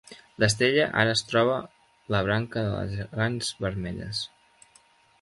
L"estrella ara es troba la branca de les gegants vermelles.